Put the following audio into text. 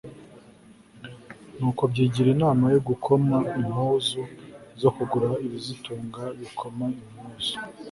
nuko byigira inama yo gukoma impuzu zo kugura ibizitunga, bikoma impuzu